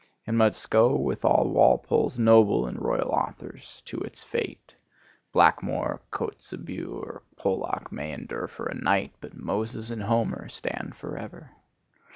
It must go with all Walpole's Noble and Royal Authors to its fate. Blackmore, Kotzebue, or Pollok may endure for a night, but Moses and Homer stand for ever.